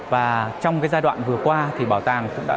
và trong cái giai đoạn vừa qua thì bảo tàng cũng đã